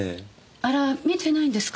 あら見てないんですか？